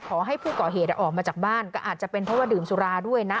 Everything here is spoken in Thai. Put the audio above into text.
ขอให้ผู้ก่อเหตุออกมาจากบ้านก็อาจจะเป็นเพราะว่าดื่มสุราด้วยนะ